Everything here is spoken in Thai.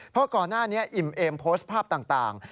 เพราะก่อนหน้านี้อิ่มเอมโพสต์ภาพต่าง